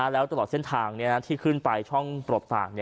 แล้วตลอดเส้นทางที่ขึ้นไปช่องกรบต่าง